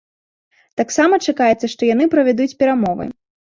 Таксама чакаецца, што яны правядуць перамовы.